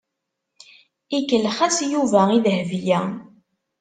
Ikellex-as Yuba i Dahbiya.